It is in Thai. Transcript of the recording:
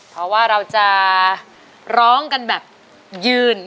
เพราะว่าเราจะร้องกันแบบยืน